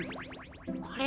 あれ？